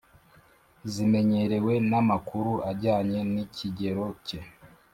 zimenyerewe n’amakuru ajyanye n’ikigero ke